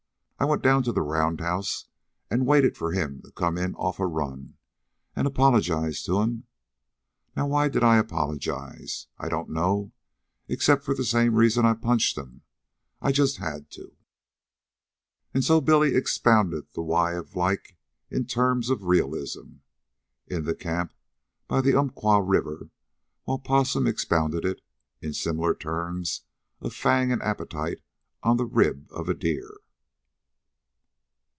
I went down to the roundhouse an' waited for 'm to come in off a run, an' apologized to 'm. Now why did I apologize? I don't know, except for the same reason I punched 'm I just had to." And so Billy expounded the why of like in terms of realism, in the camp by the Umpqua River, while Possum expounded it, in similar terms of fang and appetite, on the rib of deer.